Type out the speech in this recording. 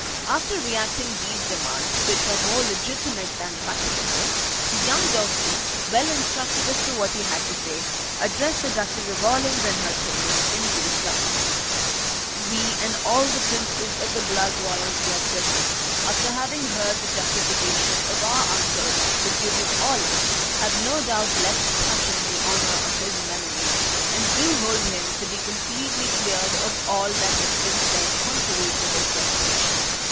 After reacting these demands, which were more legitimate than practicable, the young dauphin, well instructed as to what he had to say, addressed the Duchess of Orleans and her children in these terms: "We and all the princes of the blood royal here present, after having heard the justification of our uncle, the Duke of Orleans, have no doubt left touching the honor of his memory, and do hold him to be completely cleared of all that hath been said contrary to his reputation.